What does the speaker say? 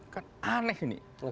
kan aneh ini